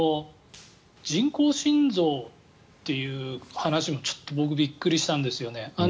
人工心臓という話もちょっと僕びっくりしたんです。